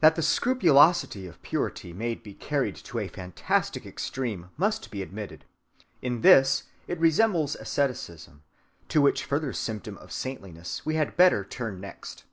‐‐‐‐‐‐‐‐‐‐‐‐‐‐‐‐‐‐‐‐‐‐‐‐‐‐‐‐‐‐‐‐‐‐‐‐‐ That the scrupulosity of purity may be carried to a fantastic extreme must be admitted. In this it resembles Asceticism, to which further symptom of saintliness we had better turn next.